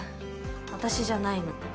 私じゃないの。